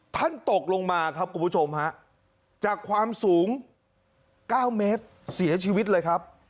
ตกลงมาครับคุณผู้ชมฮะจากความสูง๙เมตรเสียชีวิตเลยครับ